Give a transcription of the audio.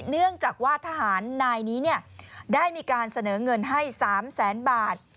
เนื่องจากว่าทหารนายนี้ได้มีการเสนอเงินให้๓แสนบาท